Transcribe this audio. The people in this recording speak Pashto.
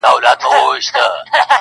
چې د مېلې په نوم راغلي